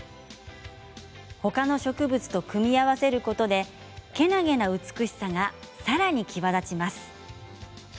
他の植物と組み合わせることでけなげな美しさがさらに際立ちます。